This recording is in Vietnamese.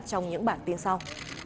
trong những bản tin sau